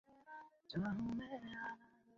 একজন রাণী হলেও সে অত্যাচারের বিরুদ্ধে রুখে দাঁড়িয়েছে।